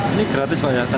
ini gratis kok ya